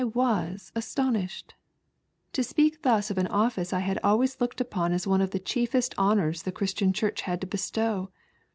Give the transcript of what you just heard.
I was astonished. To speak thus of an office I had always looked upon as one of the chiefest honours the Christian Church had to bestow.